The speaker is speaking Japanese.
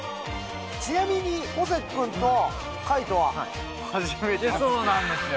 ちなみに小関くんと海音は初めてそうなんですよ